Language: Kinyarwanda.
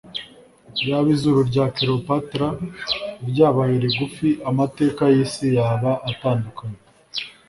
Iyaba izuru rya Cleopatra ryabaye rigufi amateka yisi yaba atandukanye